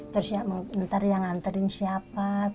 terus nanti mau nganterin siapa